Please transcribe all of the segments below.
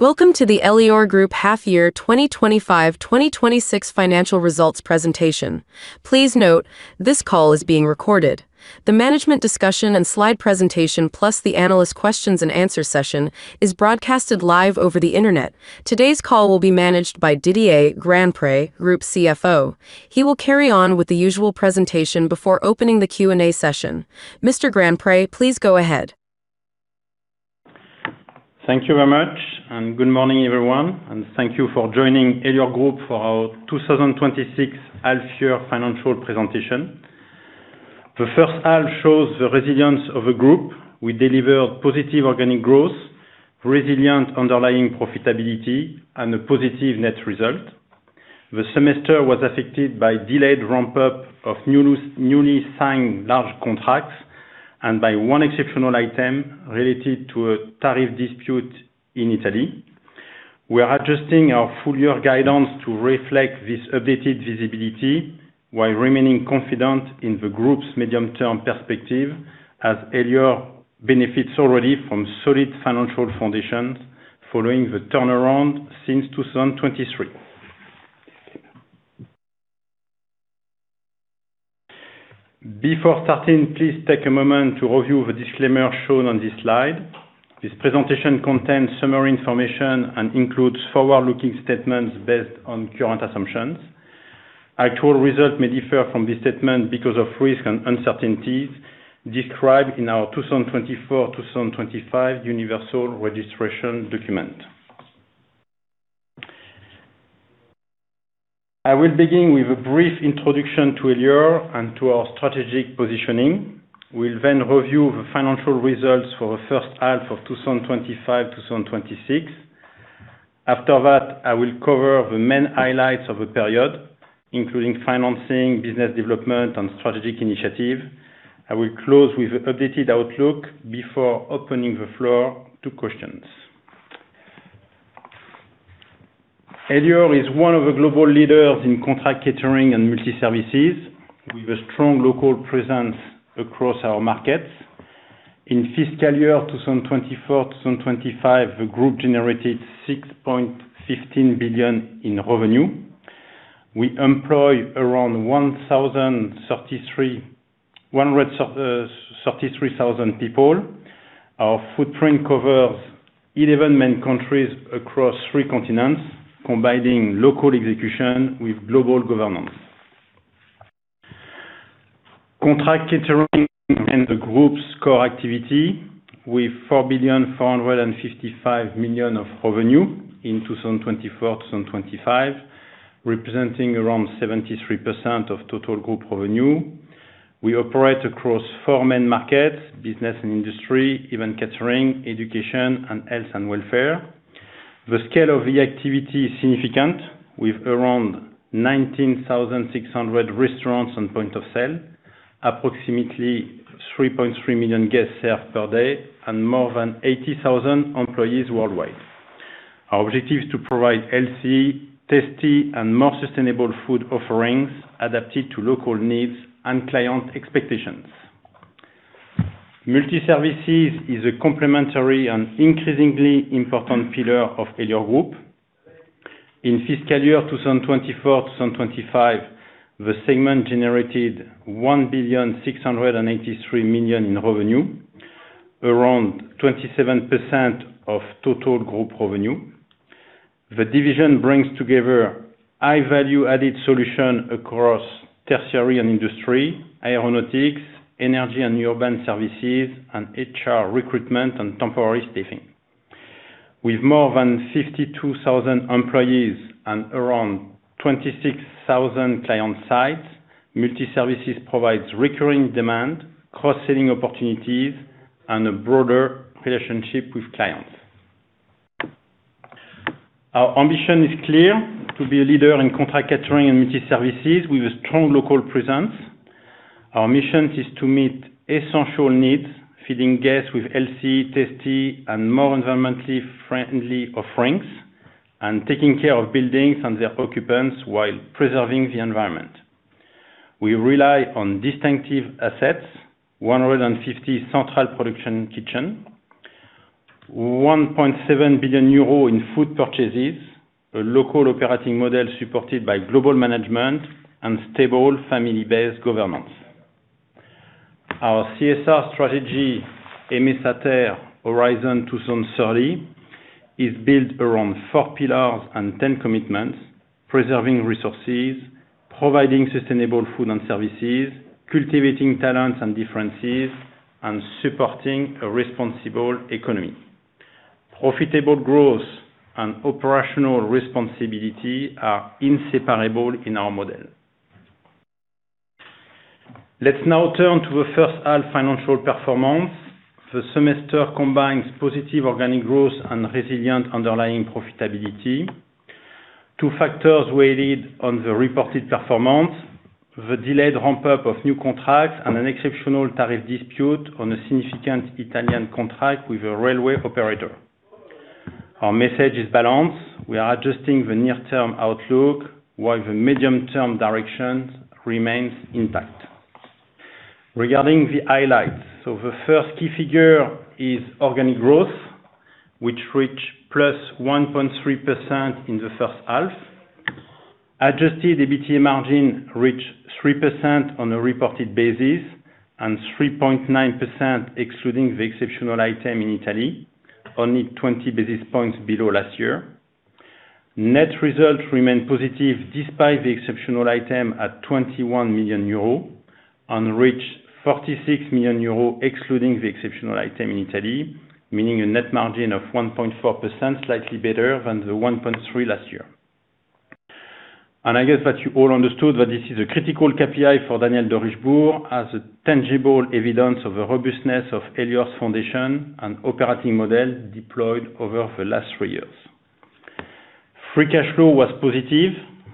Welcome to the Elior Group Half Year 2025-2026 financial results presentation. Please note this call is being recorded. The management discussion and slide presentation, plus the analyst questions and answer session is broadcasted live over the internet. Today's call will be managed by Didier Grandpré, Group CFO. He will carry on with the usual presentation before opening the Q&A session. Mr. Grandpré, please go ahead. Thank you very much, and good morning, everyone, and thank you for joining Elior Group for our 2026 half year financial presentation. The first half shows the resilience of the group. We delivered positive organic growth, resilient underlying profitability, and a positive net result. The semester was affected by delayed ramp-up of newly signed large contracts and by one exceptional item related to a tariff dispute in Italy. We are adjusting our full-year guidance to reflect this updated visibility while remaining confident in the group's medium-term perspective as Elior benefits already from solid financial foundations following the turnaround since 2023. Before starting, please take a moment to review the disclaimer shown on this slide. This presentation contains summary information and includes forward-looking statements based on current assumptions. Actual results may differ from this statement because of risks and uncertainties described in our 2024-2025 universal registration document. I will begin with a brief introduction to Elior and to our strategic positioning. We'll review the financial results for the first half of 2025-2026. After that, I will cover the main highlights of the period, including financing, business development, and strategic initiative. I will close with the updated outlook before opening the floor to questions. Elior is one of the global leaders in contract catering and multi-services, with a strong local presence across our markets. In fiscal year 2024-2025, the group generated 6.15 billion in revenue. We employ around 133,000 people. Our footprint covers 11 main countries across three continents, combining local execution with global governance. Contract catering and the group's core activity with 4,455,000,000 of revenue in 2024-2025, representing around 73% of total group revenue. We operate across four main markets: business and industry, event catering, education, and health and welfare. The scale of the activity is significant, with around 19,600 restaurants and point of sale, approximately 3.3 million guests served per day, and more than 80,000 employees worldwide. Our objective is to provide healthy, tasty, and more sustainable food offerings adapted to local needs and client expectations. Multi-services is a complementary and increasingly important pillar of Elior Group. In fiscal year 2024-2025, the segment generated 1,683,000,000 in revenue, around 27% of total group revenue. The division brings together high value-added solution across tertiary and industry, aeronautics, energy and urban services, and HR recruitment and temporary staffing. With more than 52,000 employees and around 26,000 client sites, multi-services provides recurring demand, cross-selling opportunities, and a broader relationship with clients. Our ambition is clear: to be a leader in contract catering and multi-services with a strong local presence. Our mission is to meet essential needs, feeding guests with healthy, tasty, and more environmentally friendly offerings, and taking care of buildings and their occupants while preserving the environment. We rely on distinctive assets, 150 central production kitchen, 1.7 billion euros in food purchases, a local operating model supported by global management, and stable family-based governance. Our CSR strategy, Aimer sa Terre Horizon 2030 is built around four pillars and 10 commitments, preserving resources, providing sustainable food and services, cultivating talents and differences, and supporting a responsible economy. Profitable growth and operational responsibility are inseparable in our model. Let's now turn to the first half financial performance. The semester combines positive organic growth and resilient underlying profitability. Two factors weighted on the reported performance. The delayed ramp-up of new contracts and an exceptional tariff dispute on a significant Italian contract with a railway operator. Our message is balance. We are adjusting the near-term outlook while the medium-term direction remains intact. Regarding the highlights. The first key figure is organic growth, which reached +1.3% in the first half. Adjusted EBITDA margin reached 3% on a reported basis and 3.9%, excluding the exceptional item in Italy, only 20 basis points below last year. Net results remain positive despite the exceptional item at 21 million euro and reached 46 million euro, excluding the exceptional item in Italy, meaning a net margin of 1.4%, slightly better than the 1.3% last year. I guess that you all understood that this is a critical KPI for Daniel Derichebourg as a tangible evidence of the robustness of Elior's foundation and operating model deployed over the last three years. Free cash flow was positive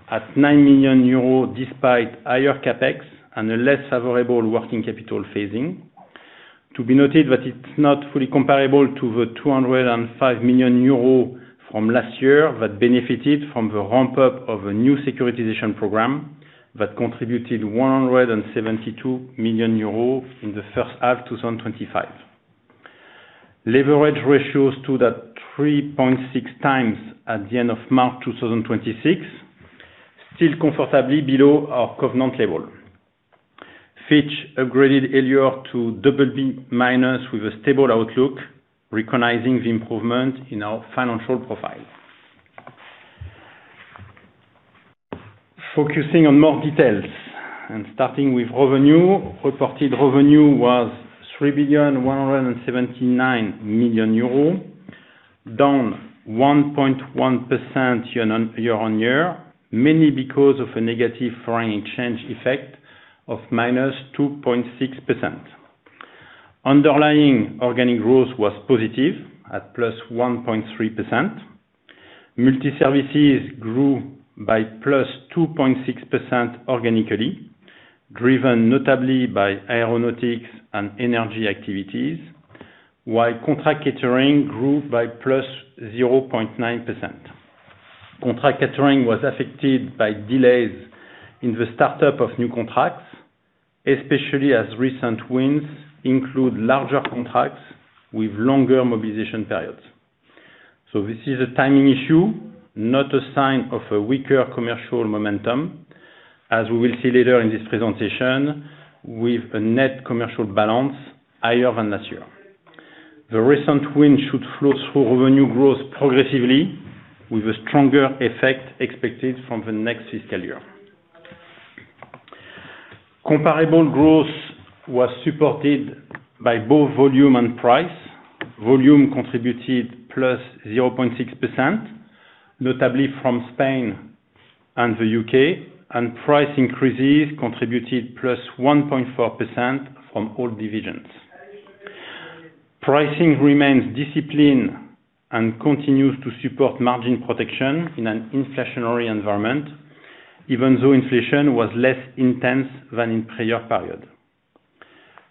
at 9 million euros, despite higher CapEx and a less favorable working capital phasing. To be noted that it's not fully comparable to the 205 million euro from last year that benefited from the ramp-up of a new securitization program that contributed 172 million euros in the first half of 2025. Leverage ratios stood at 3.6x at the end of March 2026, still comfortably below our covenant level. Fitch upgraded Elior to BB- with a stable outlook, recognizing the improvement in our financial profile. Focusing on more details and starting with revenue. Reported revenue was 3,179,000,000 euro, down 1.1% year-on-year, mainly because of a negative foreign exchange effect of -2.6%. Underlying organic growth was positive at 1.3%. Multi-services grew by +2.6% organically, driven notably by aeronautics and energy activities, while contract catering grew by +0.9%. Contract catering was affected by delays in the start-up of new contracts, especially as recent wins include larger contracts with longer mobilization periods. This is a timing issue, not a sign of a weaker commercial momentum, as we will see later in this presentation with a net commercial balance higher than last year. The recent win should flow through revenue growth progressively with a stronger effect expected from the next fiscal year. Comparable growth was supported by both volume and price. Volume contributed +0.6%, notably from Spain and the U.K., and price increases contributed +1.4% from all divisions. Pricing remains disciplined and continues to support margin protection in an inflationary environment, even though inflation was less intense than in prior period.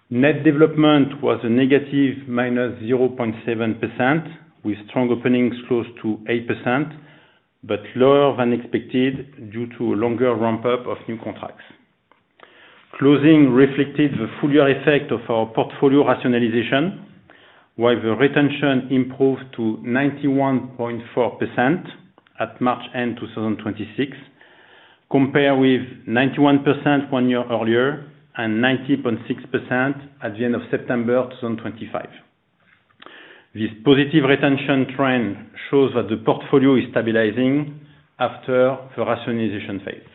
Net development was -0.7%, with strong openings close to 8%, but lower than expected due to a longer ramp-up of new contracts. Closing reflected the full year effect of our portfolio rationalization, while the retention improved to 91.4% at March end 2026, compared with 91% one year earlier and 90.6% at the end of September 2025. This positive retention trend shows that the portfolio is stabilizing after the rationalization phase.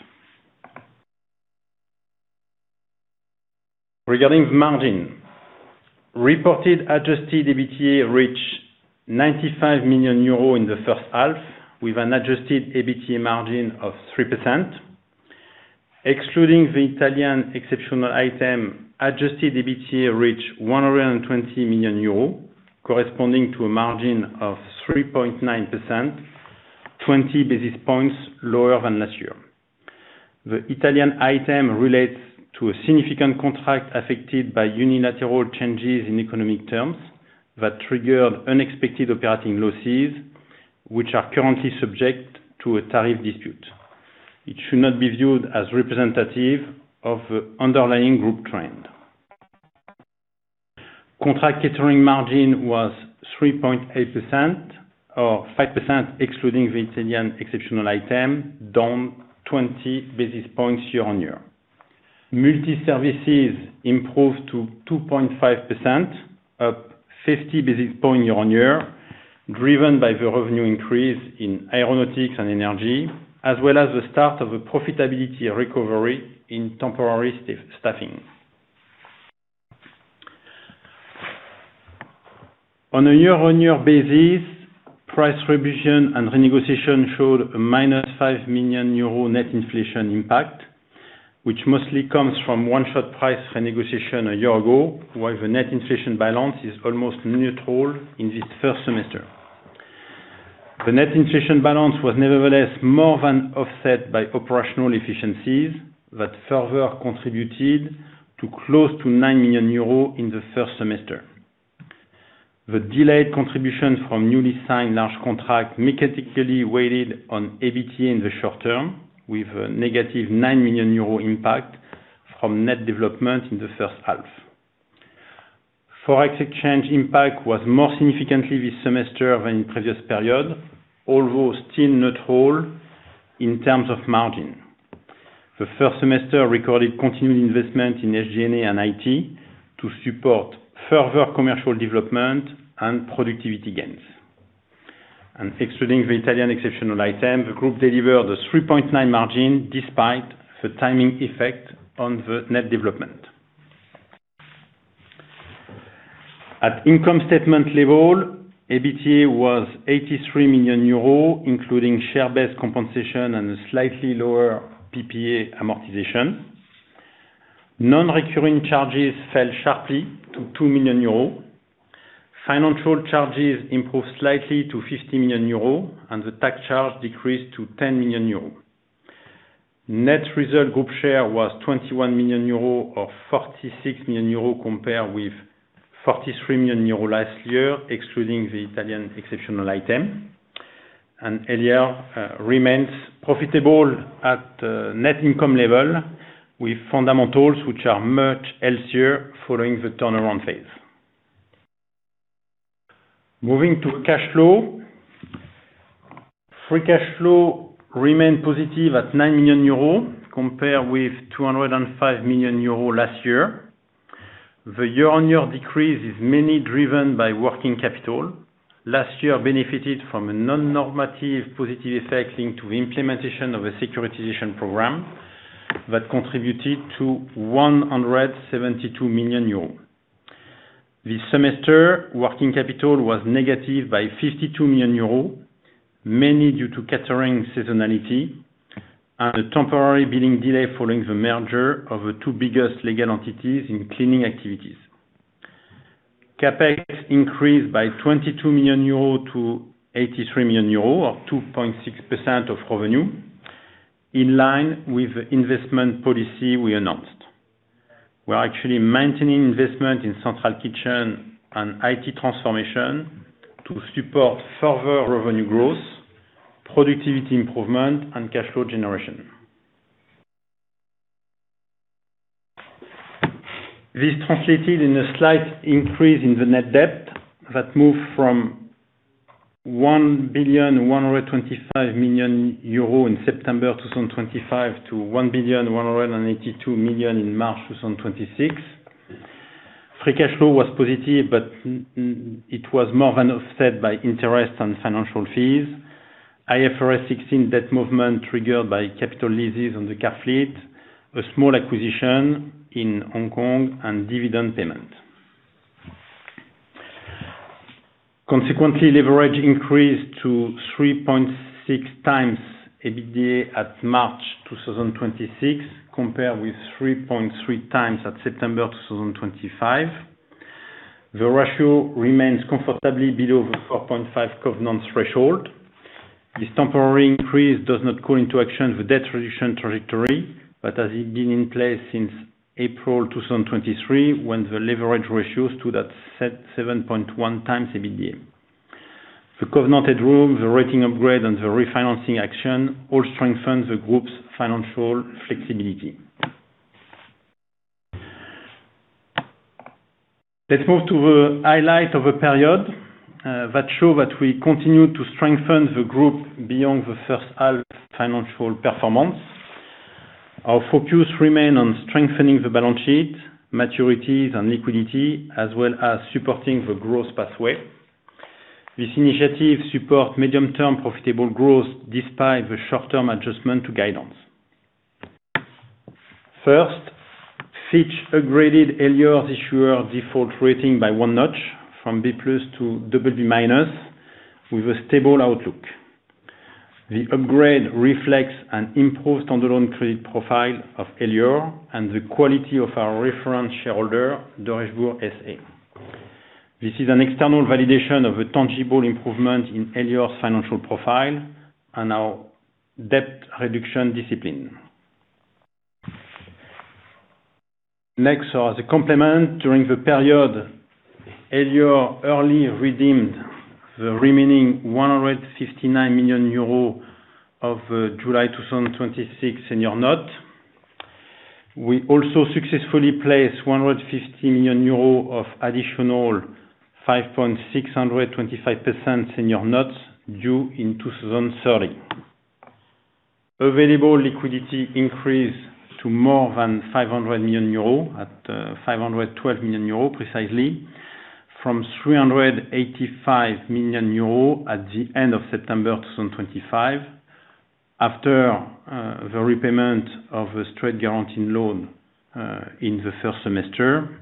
Regarding margin, reported adjusted EBITDA reached 95 million euros in the first half, with an adjusted EBITDA margin of 3%. Excluding the Italian exceptional item, adjusted EBITDA reached 120 million euros, corresponding to a margin of 3.9%, 20 basis points lower than last year. The Italian item relates to a significant contract affected by unilateral changes in economic terms that triggered unexpected operating losses, which are currently subject to a tariff dispute. It should not be viewed as representative of the underlying group trend. Contract Catering margin was 3.8%, or 5% excluding the Italian exceptional item, down 20 basis points year on year. Multi-services improved to 2.5%, up 50 basis points year-on-year, driven by the revenue increase in aeronautics and energy, as well as the start of a profitability recovery in temporary staffing. On a year-on-year basis, price revision and renegotiation showed a -5 million euro net inflation impact, which mostly comes from one-shot price renegotiation a year ago, while the net inflation balance is almost neutral in this first semester. The net inflation balance was nevertheless more than offset by operational efficiencies that further contributed to close to 9 million euros in the first semester. The delayed contribution from newly signed large contract mechanically weighed on EBITDA in the short term with -9 million euro impact from net development in the first half. Forex exchange impact was more significant this semester than in previous period, although still neutral in terms of margin. The first semester recorded continued investment in SG&A and IT to support further commercial development and productivity gains. Excluding the Italian exceptional item, the group delivered a 3.9% margin despite the timing effect on the net development. At income statement level, EBITDA was 83 million euros, including share-based compensation and a slightly lower PPA amortization. Non-recurring charges fell sharply to 2 million euros. Financial charges improved slightly to 50 million euros, and the tax charge decreased to 10 million euros. Net result group share was 21 million euros or 46 million euros, compared with 43 million euros last year, excluding the Italian exceptional item. Elior remains profitable at net income level with fundamentals which are much healthier following the turnaround phase. Moving to cash flow. Free cash flow remained positive at 9 million euros compared with 205 million euros last year. The year-on-year decrease is mainly driven by working capital. Last year benefited from a non-normative positive effect linked to the implementation of a securitization program that contributed to 172 million euros. This semester, working capital was negative by 52 million euros, mainly due to catering seasonality and a temporary billing delay following the merger of the two biggest legal entities in cleaning activities. CapEx increased by 22 million euros to 83 million euros, or 2.6% of revenue, in line with the investment policy we announced. We are actually maintaining investment in central kitchen and IT transformation to support further revenue growth, productivity improvement, and cash flow generation. This translated in a slight increase in the net debt that moved from 1,125,000,000 euro in September 2025 to 1,182,000,000 in March 2026. Free cash flow was positive, but it was more than offset by interest and financial fees. IFRS 16 debt movement triggered by capital leases on the car fleet, a small acquisition in Hong Kong, and dividend payment. Consequently, leverage increased to 3.6x EBITDA at March 2026 compared with 3.3x at September 2025. The ratio remains comfortably below the 4.5 covenant threshold. This temporary increase does not call into action the debt reduction trajectory, but has been in place since April 2023 when the leverage ratio stood at 7.1x EBITDA. The covenant headroom, the rating upgrade, and the refinancing action all strengthen the group's financial flexibility. Let's move to the highlight of the period that show that we continue to strengthen the group beyond the first half financial performance. Our focus remain on strengthening the balance sheet, maturities, and liquidity, as well as supporting the growth pathway. This initiative support medium-term profitable growth despite the short-term adjustment to guidance. First, Fitch upgraded Elior's issuer default rating by 1 notch from B+ to BB-, with a stable outlook. The upgrade reflects an improved standalone credit profile of Elior and the quality of our reference shareholder, Derichebourg SA. This is an external validation of a tangible improvement in Elior's financial profile and our debt reduction discipline. As a complement, during the period, Elior early redeemed the remaining 159 million euros of July 2026 senior note. We also successfully placed 115 million euros of additional 5.625% senior notes due in 2030. Available liquidity increased to more than 500 million euros at 512 million euros precisely from 385 million euros at the end of September 2025 after the repayment of the state guarantee loan in the first semester,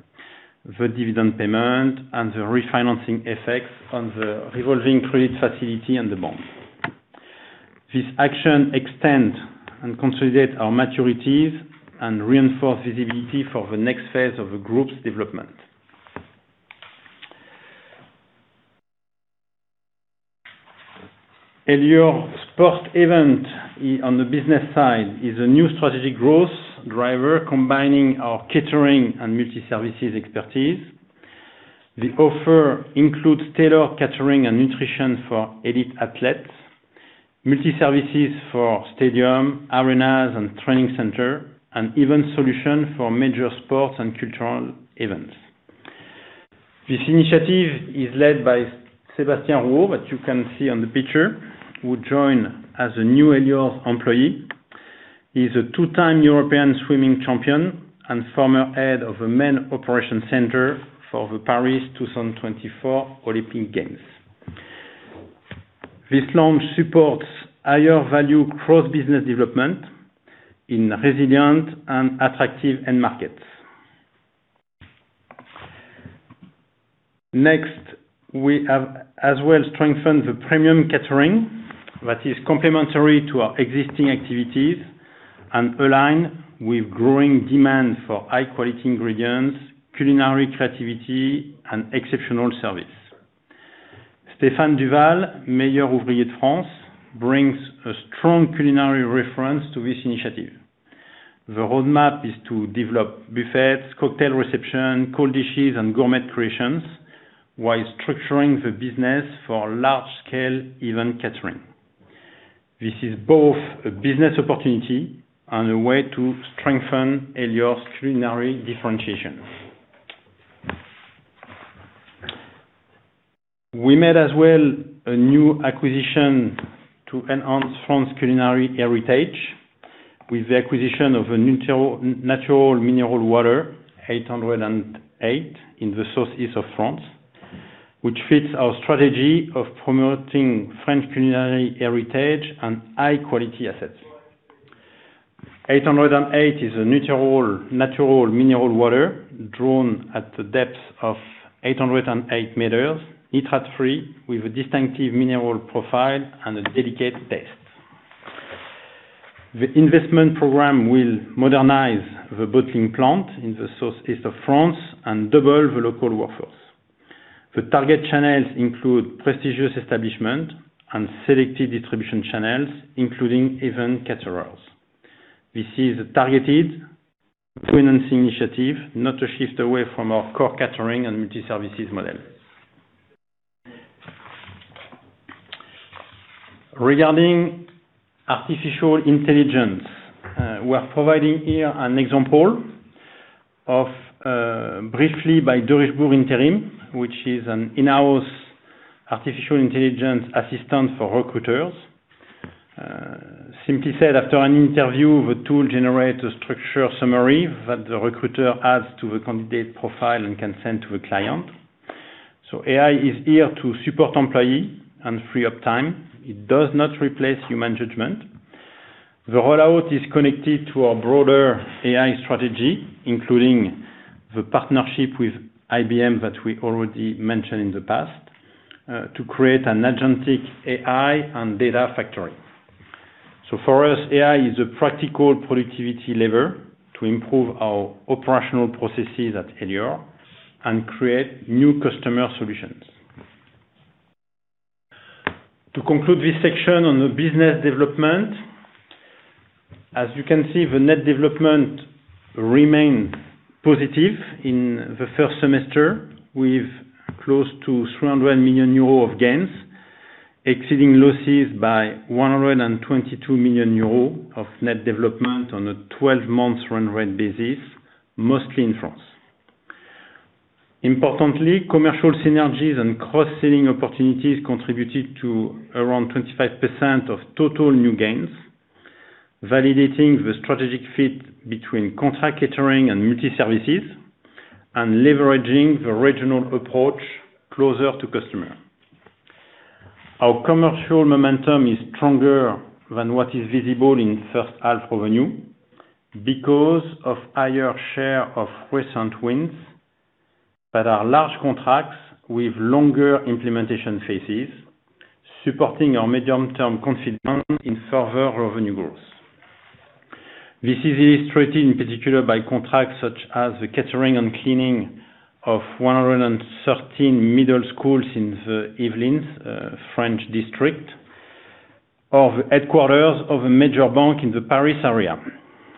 the dividend payment, and the refinancing effects on the revolving credit facility and the bond. This action extend and consolidate our maturities and reinforce visibility for the next phase of the group's development. Elior Sport Event on the business side is a new strategic growth driver combining our catering and multi-services expertise. The offer includes tailored catering and nutrition for elite athletes, multi-services for stadium, arenas, and training center, and event solution for major sports and cultural events. This initiative is led by Sébastien Rouault, that you can see on the picture, who joined as a new Elior employee. He's a two-time European swimming champion and former head of the main operation center for the Paris 2024 Olympic Games. This launch supports higher value cross-business development in resilient and attractive end markets. Next, we have as well strengthened the premium catering that is complementary to our existing activities and aligned with growing demand for high-quality ingredients, culinary creativity, and exceptional service. Stéphane Duval, Meilleur Ouvrier de France, brings a strong culinary reference to this initiative. The roadmap is to develop buffets, cocktail reception, cold dishes, and gourmet creations while structuring the business for large-scale event catering. This is both a business opportunity and a way to strengthen Elior's culinary differentiation. We made as well a new acquisition to enhance France culinary heritage with the acquisition of a natural mineral water, 808, in the southeast of France, which fits our strategy of promoting French culinary heritage and high-quality assets. 808 is a natural mineral water drawn at the depth of 808 m, nitrate-free, with a distinctive mineral profile and a delicate taste. The investment program will modernize the bottling plant in the southeast of France and double the local workforce. The target channels include prestigious establishment and selected distribution channels, including event caterers. This is a targeted financing initiative, not a shift away from our core contract catering and multi-services model. Regarding artificial intelligence, we are providing here an example of Briefly by Derichebourg Intérim, which is an in-house artificial intelligence assistant for recruiters. Simply said, after an interview, the tool generates a structure summary that the recruiter adds to the candidate profile and can send to the client. AI is here to support employee and free up time. It does not replace human judgment. The rollout is connected to our broader AI strategy, including the partnership with IBM that we already mentioned in the past, to create an agentic AI and data factory. For us, AI is a practical productivity lever to improve our operational processes at Elior and create new customer solutions. To conclude this section on the business development, as you can see, the net development remained positive in the first semester with close to 300 million euro of gains, exceeding losses by 122 million euro of net development on a 12-month run-rate basis, mostly in France. Importantly, commercial synergies and cross-selling opportunities contributed to around 25% of total new gains, validating the strategic fit between contract catering and multi-services and leveraging the regional approach closer to customer. Our commercial momentum is stronger than what is visible in first half revenue because of higher share of recent wins that are large contracts with longer implementation phases, supporting our medium-term confidence in further revenue growth. This is illustrated in particular by contracts such as the catering and cleaning of 113 middle schools in the Yvelines, a French district, or the headquarters of a major bank in the Paris area.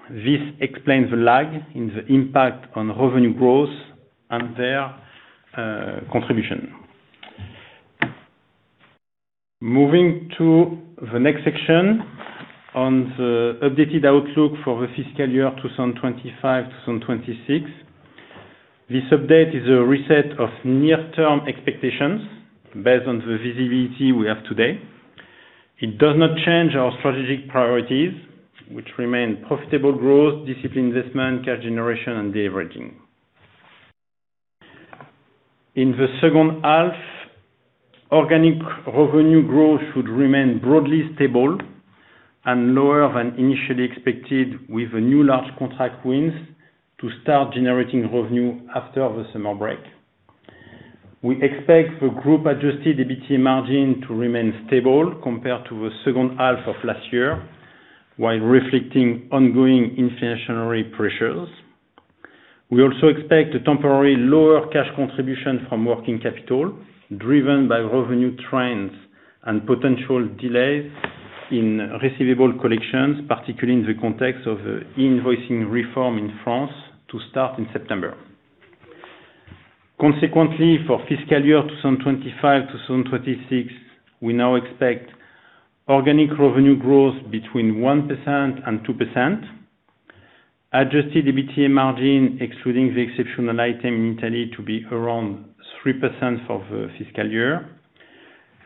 This explains the lag in the impact on revenue growth and their contribution. Moving to the next section on the updated outlook for the fiscal year 2025-2026. This update is a reset of near-term expectations based on the visibility we have today. It does not change our strategic priorities, which remain profitable growth, disciplined investment, cash generation and de-leveraging. In the second half, organic revenue growth should remain broadly stable and lower than initially expected with the new large contract wins to start generating revenue after the summer break. We expect the group-adjusted EBITDA margin to remain stable compared to the second half of last year while reflecting ongoing inflationary pressures. We also expect a temporary lower cash contribution from working capital driven by revenue trends and potential delays in receivable collections, particularly in the context of e-invoicing reform in France to start in September. Consequently, for fiscal year 2025-2026, we now expect organic revenue growth between 1%-2%. Adjusted EBITDA margin, excluding the exceptional item in Italy, to be around 3% for the fiscal year.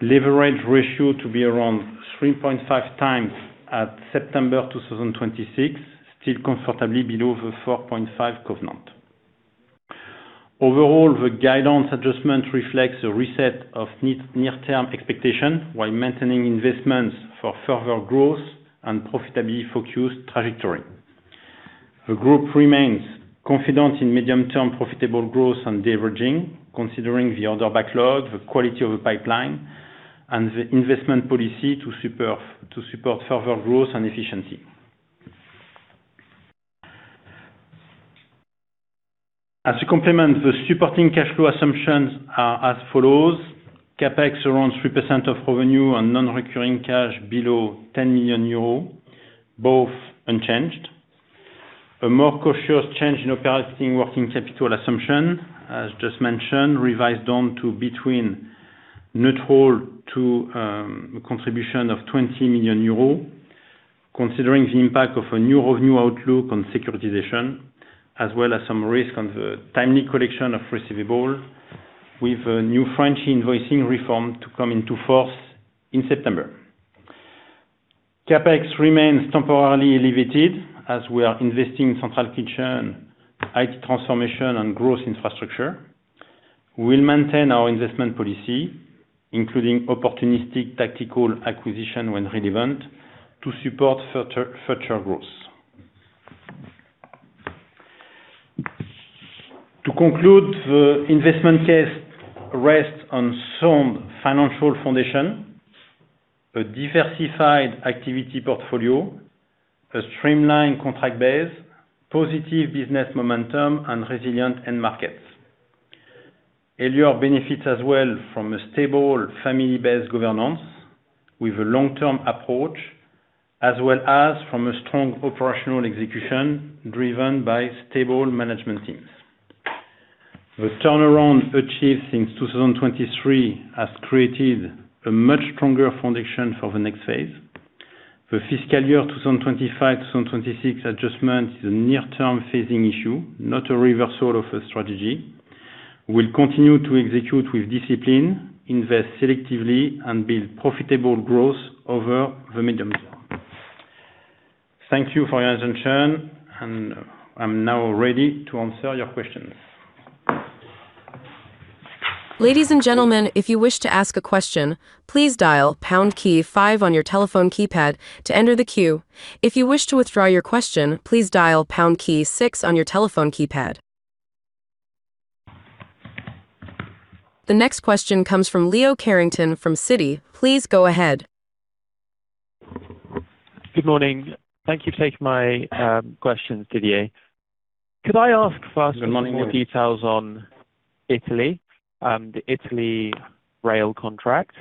Leverage ratio to be around 3.5x at September 2026, still comfortably below the 4.5 covenant. Overall, the guidance adjustment reflects a reset of near-term expectation while maintaining investments for further growth and profitability focused trajectory. The group remains confident in medium-term profitable growth and de-leveraging considering the order backlog, the quality of the pipeline, and the investment policy to support further growth and efficiency. As a complement, the supporting cash flow assumptions are as follows: CapEx around 3% of revenue and non-recurring cash below 10 million euros, both unchanged. A more cautious change in operating working capital assumption, as just mentioned, revised down to between neutral to a contribution of 20 million euros, considering the impact of a new revenue outlook on securitization, as well as some risk on the timely collection of receivable with a new French invoicing reform to come into force in September. CapEx remains temporarily elevated as we are investing in central kitchen, IT transformation, and growth infrastructure. We'll maintain our investment policy, including opportunistic tactical acquisition when relevant to support future growth. To conclude, the investment case rests on sound financial foundation, a diversified activity portfolio, a streamlined contract base, positive business momentum, and resilient end markets. Elior benefits as well from a stable family-based governance with a long-term approach, as well as from a strong operational execution driven by stable management teams. The turnaround achieved since 2023 has created a much stronger foundation for the next phase. The fiscal year 2025-2026 adjustment is a near-term phasing issue, not a reversal of a strategy. We'll continue to execute with discipline, invest selectively, and build profitable growth over the medium term. Thank you for your attention, and I'm now ready to answer your questions. The next question comes from Leo Carrington from Citi. Please go ahead. Good morning. Thank you for taking my question, Didier. Good morning, Leo. Could I ask first for more details on Italy and the Italy rail contract.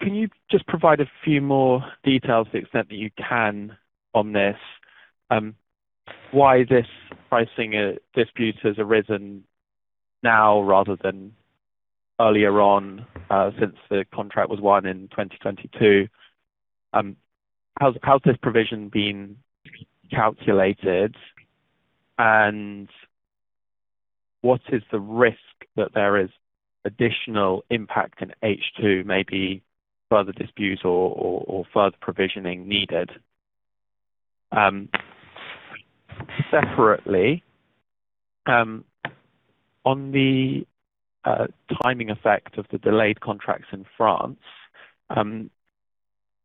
Can you just provide a few more details to the extent that you can on this? Why this pricing dispute has arisen now rather than earlier on, since the contract was won in 2022? How has this provision been calculated, and what is the risk that there is additional impact in H2, maybe further disputes or further provisioning needed? Separately, on the timing effect of the delayed contracts in France,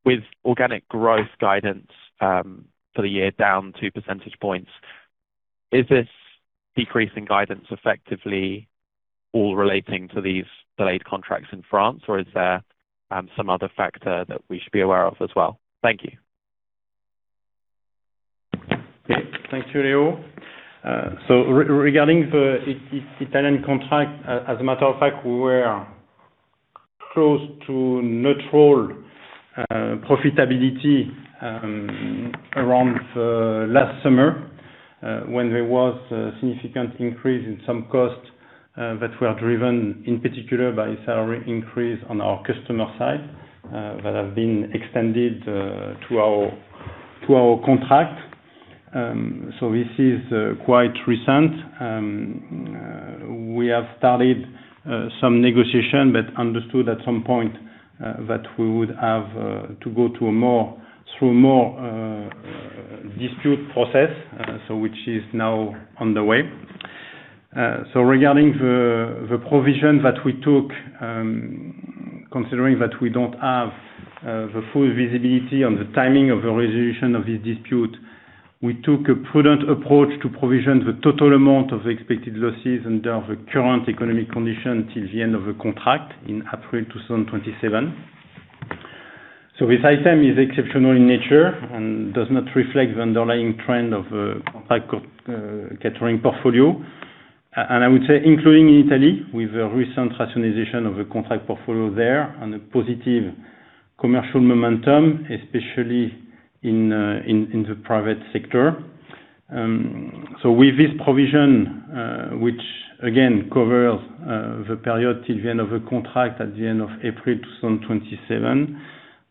with organic growth guidance for the year down 2 percentage points, is this decrease in guidance effectively all relating to these delayed contracts in France, or is there some other factor that we should be aware of as well? Thank you. Thanks, Leo. Regarding the Italian contract, as a matter of fact, we were close to neutral profitability around last summer, when there was a significant increase in some costs that were driven in particular by a salary increase on our customer side, that have been extended to our contract. This is quite recent. We have started some negotiation but understood at some point that we would have to go through more dispute process, so which is now on the way. Regarding the provision that we took, considering that we don't have the full visibility on the timing of the resolution of this dispute, we took a prudent approach to provision the total amount of expected losses under the current economic condition till the end of the contract in April 2027. This item is exceptional in nature and does not reflect the underlying trend of contract catering portfolio. I would say, including in Italy, with a recent rationalization of a contract portfolio there and a positive commercial momentum, especially in the private sector. With this provision, which again covers the period till the end of a contract at the end of April 2027,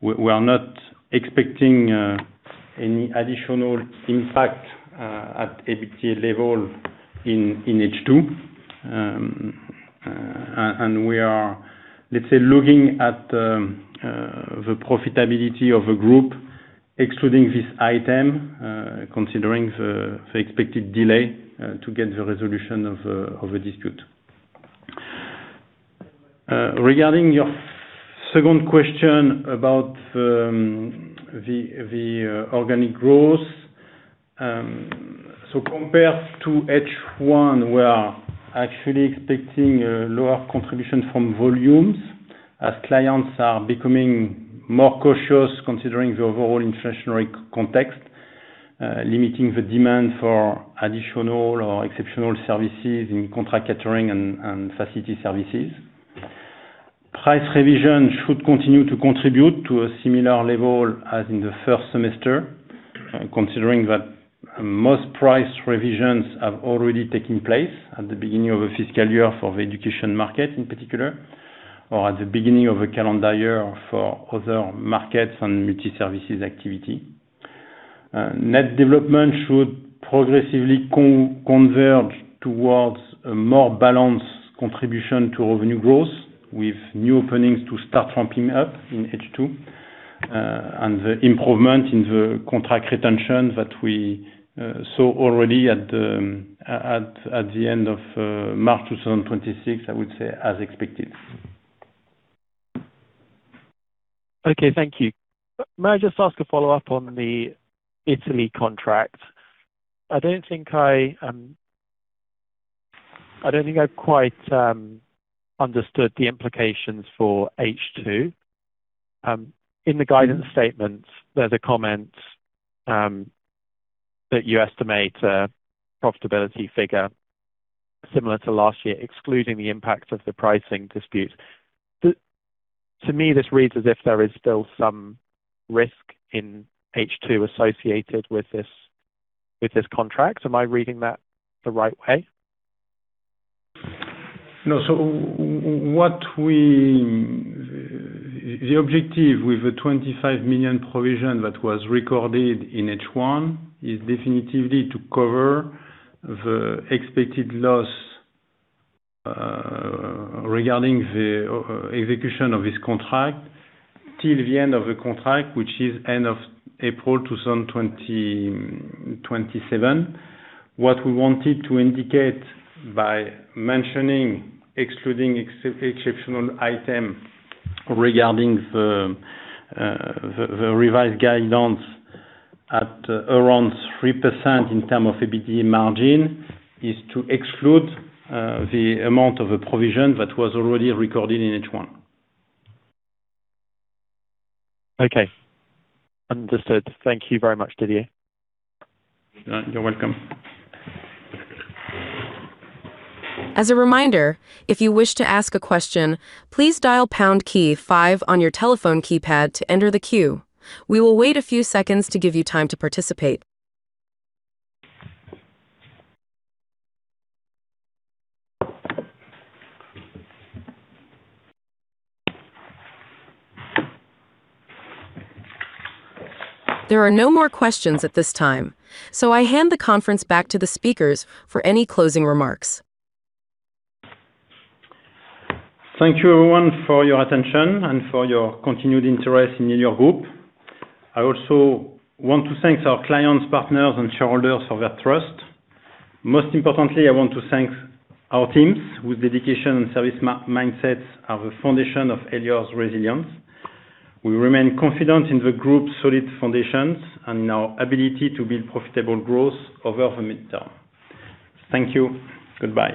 we are not expecting any additional impact at EBITDA level in H2. We are, let's say, looking at the profitability of a group excluding this item, considering the expected delay to get the resolution of a dispute. Regarding your second question about the organic growth. Compared to H1, we are actually expecting a lower contribution from volumes as clients are becoming more cautious considering the overall inflationary context, limiting the demand for additional or exceptional services in contract catering and facility services. Price revision should continue to contribute to a similar level as in the first semester, considering that most price revisions have already taken place at the beginning of a fiscal year for the education market in particular, or at the beginning of a calendar year for other markets and multi-services activity. Net development should progressively converge towards a more balanced contribution to revenue growth, with new openings to start ramping up in H2. The improvement in the contract retention that we saw already at the end of March 2026, I would say as expected. Okay. Thank you. May I just ask a follow-up on the Italy contract? I don't think I've quite understood the implications for H2. In the guidance statement, there's a comment that you estimate a profitability figure similar to last year, excluding the impact of the pricing disputes. To me, this reads as if there is still some risk in H2 associated with this contract. Am I reading that the right way? No. The objective with the 25 million provision that was recorded in H1 is definitively to cover the expected loss regarding the execution of this contract till the end of the contract, which is end of April 2027. What we wanted to indicate by mentioning excluding exceptional item regarding the revised guidance at around 3% in terms of EBITDA margin is to exclude the amount of a provision that was already recorded in H1. Okay. Understood. Thank you very much, Didier. You're welcome. As a reminder, if you wish to ask a question, please dial pound key five on your telephone keypad to enter the queue. We will wait a few seconds to give you time to participate. There are no more questions at this time, so I hand the conference back to the speakers for any closing remarks. Thank you, everyone, for your attention and for your continued interest in Elior Group. I also want to thank our clients, partners, and shareholders for their trust. Most importantly, I want to thank our teams whose dedication and service mindsets are the foundation of Elior's resilience. We remain confident in the group's solid foundations and our ability to build profitable growth over the midterm. Thank you. Goodbye.